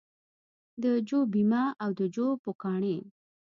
د جو بیمه او د جو پوکاڼې